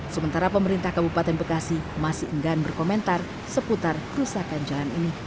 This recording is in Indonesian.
sementara pemerintah kabupaten bekasi masih enggan berkomentar seputar kerusakan jalan ini